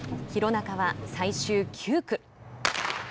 廣中は最終９区。